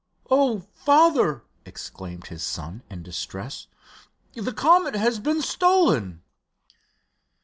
"Oh, father!" exclaimed his son, in distress, "the Comet has been stolen!"